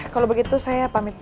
kalau begitu saya pamit